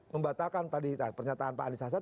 membatalkan tadi pernyataan pak andi sasan